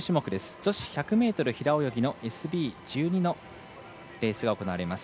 女子の１００ｍ平泳ぎＳＢ１２のレースが行われます。